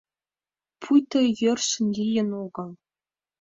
Пуйто йӧршын лийын огыл.